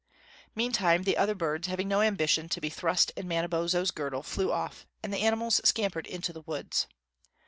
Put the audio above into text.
Meantime, the other birds, having no ambition to be thrust in Manabozho's girdle, flew off, and the animals scampered into the woods.